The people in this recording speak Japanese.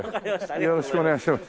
よろしくお願いします。